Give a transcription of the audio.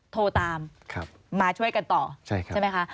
โทรตามมาช่วยกันต่อใช่ไหมคะ